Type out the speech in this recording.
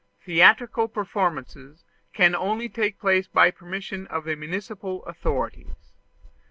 Theatrical performances can only take place by permission of the municipal authorities.